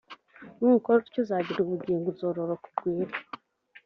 nukora utyo uzagira ubugingo, uzororoka ugwire,